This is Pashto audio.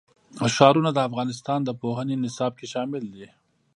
ښارونه د افغانستان د پوهنې نصاب کې شامل دي.